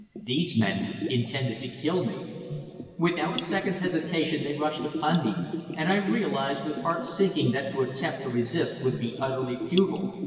These men intended to kill me! Without a second's hesitation they rushed upon me, and I realized with heart sinking that to attempt to resist would be utterly futile.